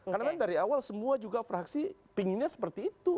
karena kan dari awal semua juga fraksi pinginnya seperti itu